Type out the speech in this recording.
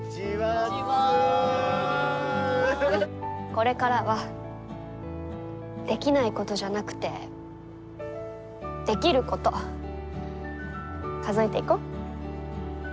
これからはできないことじゃなくてできること、数えていこう。